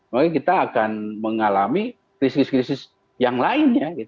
maka kita akan mengalami krisis krisis yang lainnya